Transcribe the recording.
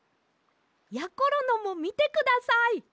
やころのもみてください！